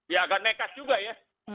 ya agak nekat juga ya